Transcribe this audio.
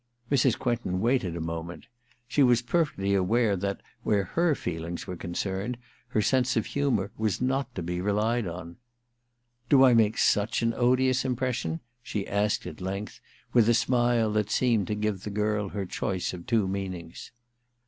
Mrs. Quentin waited a moment : she was perfectly aware that, where her feelings were concerned, her sense of humour was not to be relied on. * Do I make such an odious impres sion.^' she asked at length, with a smile that seemed to give the girl her choice of two meanings.